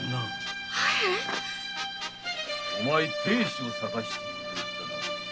お前亭主を捜していると言ったな。